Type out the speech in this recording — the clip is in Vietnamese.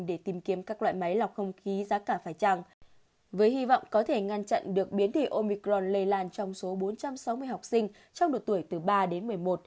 để tìm kiếm các loại máy lọc không khí giá cả phải trăng với hy vọng có thể ngăn chặn được biến thể omicron lây lan trong số bốn trăm sáu mươi học sinh trong độ tuổi từ ba đến một mươi một